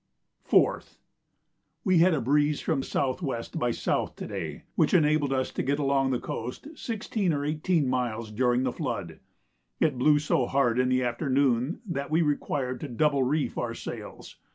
4th. We had a breeze from S.W. by S. to day, which enabled us to get along the coast sixteen or eighteen miles during the flood. It blew so hard in the afternoon that we required to double reef our sails.